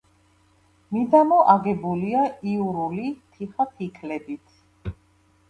მიდამო აგებულია იურული თიხაფიქლებით.